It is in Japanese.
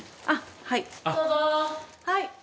あっはい。